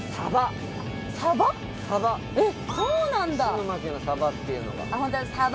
石巻のサバっていうのが。